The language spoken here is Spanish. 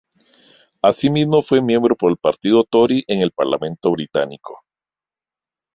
Así mismo, fue miembro por el partido Tory en el Parlamento Británico.